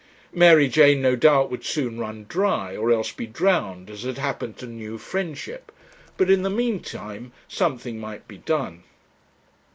Mary Jane, no doubt, would soon run dry, or else be drowned, as had happened to New Friendship. But in the meantime something might be done.